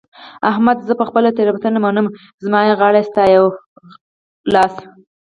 احمده! زه خپله تېرونته منم؛ زما يې غاړه ستا يې واښ.